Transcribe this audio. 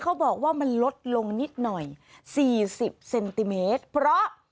เขาบอกว่ามันลดลงนิดหน่อยสี่สิบเซนติเมตรเพราะ